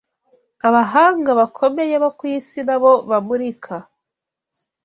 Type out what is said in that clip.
abahanga bakomeye bo ku isi nabo bamurika